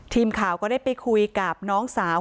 ทีมข่าวก็ได้ไปคุยกับน้องสาว